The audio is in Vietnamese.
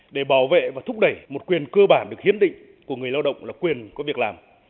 để bảo vệ và thúc đẩy một quyền cơ bản được hiến định của người lao động là quyền có việc làm